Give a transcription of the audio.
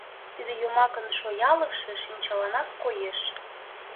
Тиде йомакын шоялыкше шинчаланак коеш.